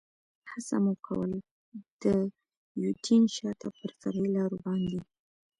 هڅه مو کول، د یوډین شاته پر فرعي لارو باندې.